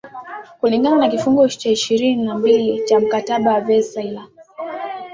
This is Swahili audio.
kulingana na kifungo cha ishirini na mbili cha mkataba wa Versailles